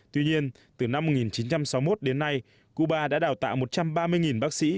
tuy nhiên từ năm một nghìn chín trăm sáu mươi một đến nay cuba đã đào tạo một trăm ba mươi bác sĩ